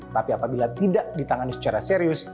tapi apabila tidak ditangani secara serius